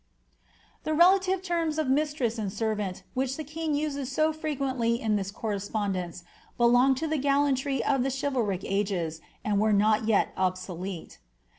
The relative terras of mistress and servant, wliich the kinr uses so frequently in this correspondence* belonged to the gallantry of the chi valric ages, and were not yet obsolete.